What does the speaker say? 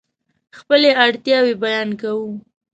خپلې اړتیاوې بیان کوو.